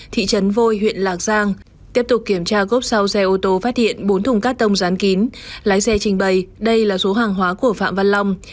thị trấn vôi huyện lạc giang tiếp tục kiểm tra gốc sau xe ô tô phát hiện bốn thùng cát tông rán kín lái xe trình bày đây là số hàng hóa của phạm văn long